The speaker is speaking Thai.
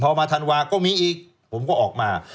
พอมาธันวาก็มีอีกผมก็ออกมา